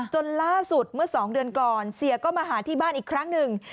จนล่าสุดเมื่อ๒เดือนก่อนเสียก็มาหาที่บ้านอีกครั้งหนึ่ง